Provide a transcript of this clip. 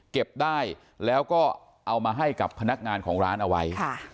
เก็บได้แล้วก็เอามาให้กับพนักงานของร้านเอาไว้